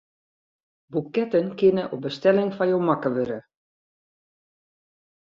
Boeketten kinne op bestelling foar jo makke wurde.